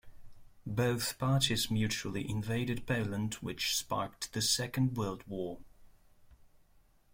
Both parties mutually invaded Poland which sparked the Second World War.